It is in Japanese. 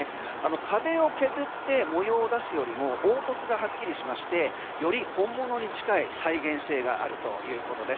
壁を削って模様を出すよりも凹凸がはっきりしてより本物に近い再現性があるということです。